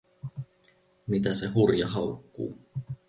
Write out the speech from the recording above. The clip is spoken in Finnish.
Mitä se Hurja haukkuu?